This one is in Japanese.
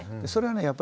それはね